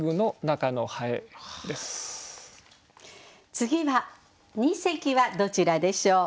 次は二席はどちらでしょう。